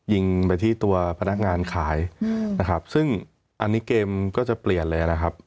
ยิงไปที่ตัวพนักงานขายนะครับซึ่งอันนี้เกมก็จะเปลี่ยนเลยนะครับ